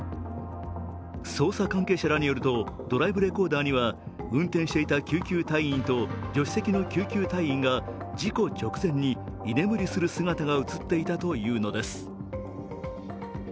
捜査関係者らによると、ドライブレコーダーには運転していた救急隊員と助手席の救急隊員が事故直前に居眠りする姿が映っていたというのです。